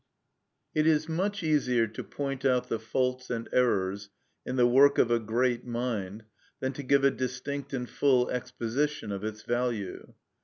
_ It is much easier to point out the faults and errors in the work of a great mind than to give a distinct and full exposition of its value.